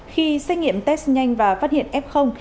khi xét nghiệm test nhanh và phát hiện ép không